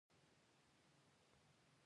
زړه د ریښتیني احساس کور دی.